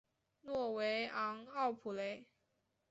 诺维昂奥普雷。